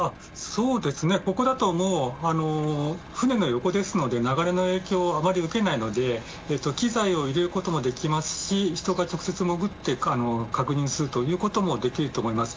ここだともう船の横ですので流れの影響はあまり受けないので機材を入れることもできますし人が直接潜って確認することもできると思います。